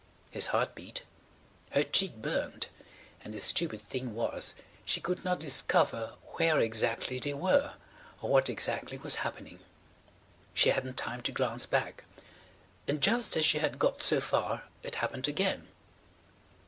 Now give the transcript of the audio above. His heart beat; her cheek burned and the stupid thing was she could not discover where exactly they were or what exactly was happening. She hadn't time to glance back. And just as she had got so far it happened again.